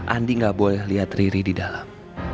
andi gak boleh lihat riri di dalam